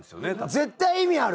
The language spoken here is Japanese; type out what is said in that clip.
絶対意味ある！